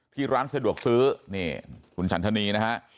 ร้านสะดวกซื้อนี่คุณสันทนีนะฮะ